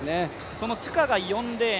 このトゥカが４レーン。